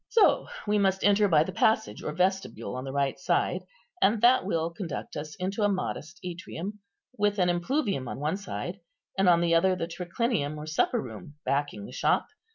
So we must enter by the passage or vestibule on the right side, and that will conduct us into a modest atrium, with an impluvium on one side, and on the other the triclinium or supper room, backing the shop.